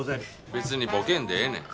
別にボケんでええねん。